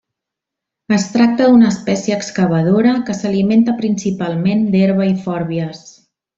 Es tracta d'una espècie excavadora que s'alimenta principalment d'herba i fòrbies.